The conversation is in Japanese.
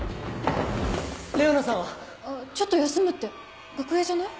レオナさんは⁉あぁちょっと休むって楽屋じゃない？